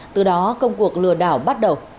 từ đó công cuộc lừa đảo bắt đầu